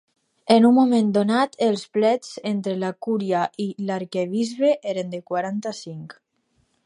En un moment donat, els plets entre la cúria i l'arquebisbe eren de quaranta-cinc.